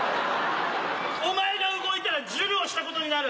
お前が動いたらじゅるをしたことになる。